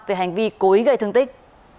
về hành vi cố ý gây thương tích